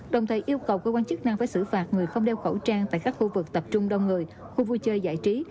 đồng thời yêu cầu cơ quan chức năng phải xử phạt người không đeo khẩu trang tại các khu vực tập trung đông người khu vui chơi giải trí